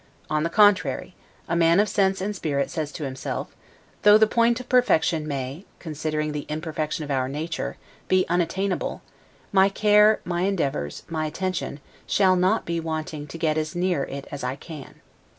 On the contrary, a man of sense and spirit says to himself: Though the point of perfection may (considering the imperfection of our nature) be unattainable, my care, my endeavors, my attention, shall not be wanting to get as near it as I can.